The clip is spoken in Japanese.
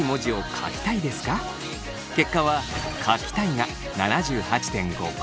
結果は書きたいが７８．５％。